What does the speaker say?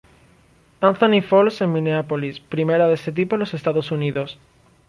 Anthony Falls en Minneapolis, primera de ese tipo en los Estados Unidos.